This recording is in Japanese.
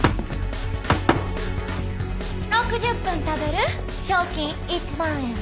６０分食べる賞金１万円。